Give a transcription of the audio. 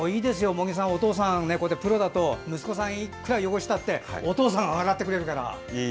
茂木さんお父さんがプロだと息子さん、いくら汚したってお父さんが洗ってくれるから。